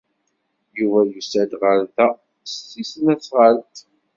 Yuba yusa-d ɣer da s tesnasɣalt.